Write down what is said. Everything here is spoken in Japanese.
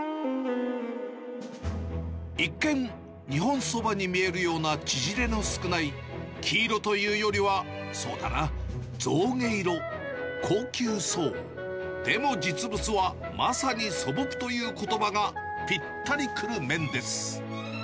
一見、日本そばに見えるような縮れの少ない、黄色というよりは、そうだな、象牙色、高級そう、でも実物は、まさに素朴ということばがぴったりくる麺です。